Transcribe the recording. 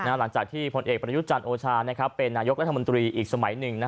หลังจากที่พลเอกประยุทธ์จันทร์โอชาเป็นนายกรัฐมนตรีอีกสมัยหนึ่ง